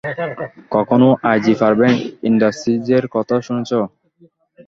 কখনও IG Farben ইন্ডাস্ট্রিজের কথা শুনেছ?